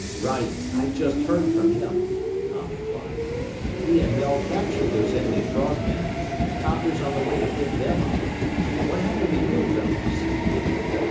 "Right! I just heard from him," Tom replied. "He and Mel captured those enemy frogmen and a copter's on the way to pick them up. What happened to you fellows?"